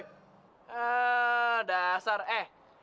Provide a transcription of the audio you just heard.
eeeh dasar eh